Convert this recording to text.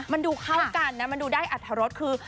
มันดูเข้ากันนะมันดูได้อัตรรสคือ